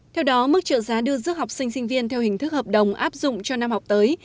theo đó mức trợ giá đưa dứt học sinh sinh viên theo hình thức hợp đồng áp dụng cho năm học tới